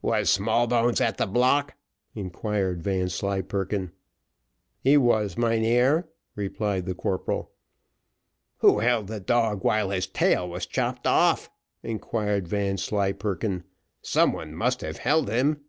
"Was Smallbones at the block?" inquired Vanslyperken. "He was, mynheer," replied the corporal. "Who held the dog while his tail was chopped off?" inquired Vanslyperken, "some one must have held him."